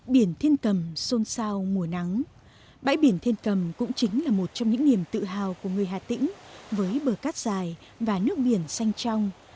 bãi biển thiên cầm cũng chính là một trong những niềm tự hào của người hà tĩnh với bờ cát dài và nước biển xanh trong